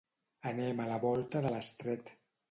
Anem a la volta de l'estret.